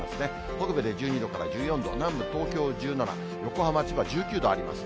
北部で１２度から１４度、南部、東京１７、横浜、千葉１９度あります。